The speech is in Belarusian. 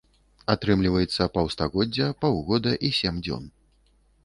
Атрымліваецца паўстагоддзя, паўгода і сем дзён.